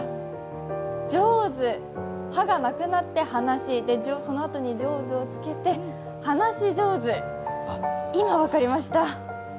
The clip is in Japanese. ジョーズ、歯がなくなって歯なし、そのあとにじょうずをつけて、話上手、今分かりました。